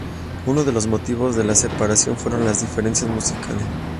Uno de los motivos de la separación fueron las diferencias musicales.